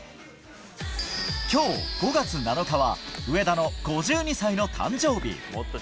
きょう５月７日は、上田の５２歳の誕生日。